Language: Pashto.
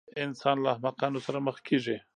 انسان له احمقانو سره مخ کېږي.